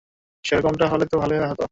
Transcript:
সেরকমটা হলে তো ভালোই হতো।